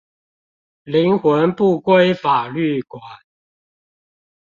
靈魂不歸法律管